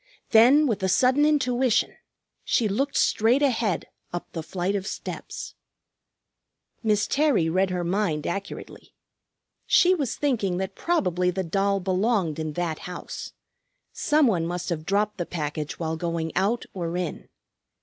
Then with a sudden intuition she looked straight ahead, up the flight of steps. [Illustration: SHE LOOKED UP AND DOWN THE STREET] Miss Terry read her mind accurately. She was thinking that probably the doll belonged in that house; some one must have dropped the package while going out or in.